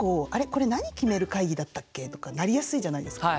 これ何決める会議だったっけ？」とかなりやすいじゃないですか。